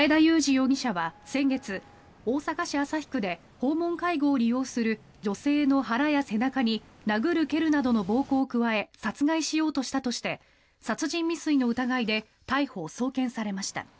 容疑者は先月大阪市旭区で訪問介護を利用する女性の腹や背中に殴る蹴るなどの暴行を加え殺害しようとしたとして殺人未遂の疑いで逮捕・送検されました。